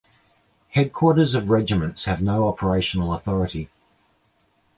Headquarters of Regiments have no operational authority.